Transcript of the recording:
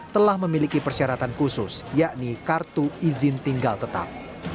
telah memiliki persyaratan khusus yakni kartu izin tinggal tetap